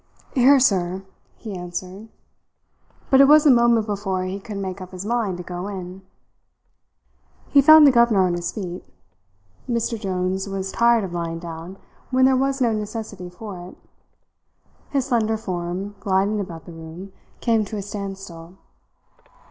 "Here, sir," he answered; but it was a moment before he could make up his mind to go in. He found the governor on his feet. Mr. Jones was tired of lying down when there was no necessity for it. His slender form, gliding about the room, came to a standstill.